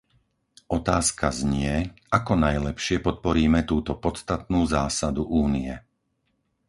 Otázka znie; ako najlepšie podporíme túto podstatnú zásadu Únie?